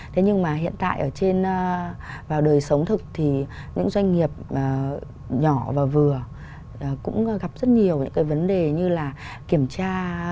thế nhưng mà hiện tại ở trên vào đời sống thực thì những doanh nghiệp nhỏ và vừa cũng gặp rất nhiều những cái vấn đề như là kiểm tra